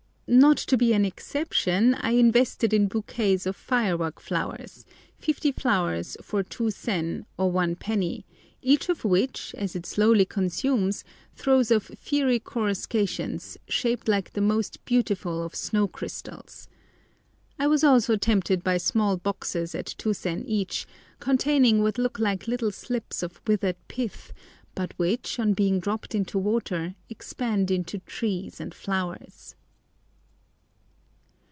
Not to be an exception, I invested in bouquets of firework flowers, fifty flowers for 2 sen, or 1d., each of which, as it slowly consumes, throws off fiery coruscations, shaped like the most beautiful of snow crystals. I was also tempted by small boxes at 2 sen each, containing what look like little slips of withered pith, but which, on being dropped into water, expand into trees and flowers.